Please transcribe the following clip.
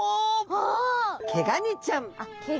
あっケガニちゃん。